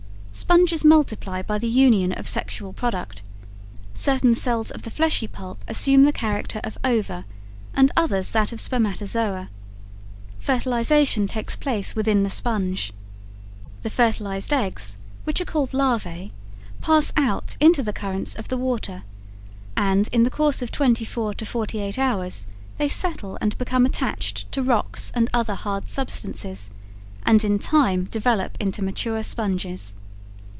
Sponges multiply by the union of sexual product. Certain cells of the fleshy pulp assume the character of ova, and others that of spermatozoa. Fertilization takes place within the sponge. The fertilized eggs, which are called larvae, pass out into the currents of the water, and, in the course of twenty four to forty eight hours, they settle and become attached to rocks and other hard substances, and in time develop into mature sponges.